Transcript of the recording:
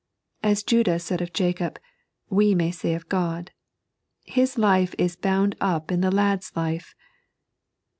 As Jndah said of Jacob, we may say of Ood :" His life is bound up in the lad's life."